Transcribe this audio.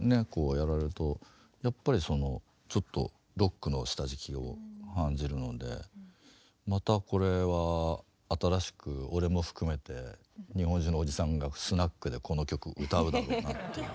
やられるとやっぱりそのちょっとロックの下敷きを感じるのでまたこれは新しく俺も含めて日本中のおじさんがスナックでこの曲歌うだろうなっていう。